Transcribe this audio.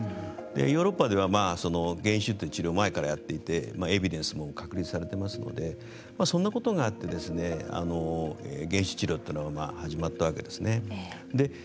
ヨーロッパでは減酒という治療を前からやっていてエビデンスも確立されていますのでそんなことがあって減酒治療というのが始まったわけですね。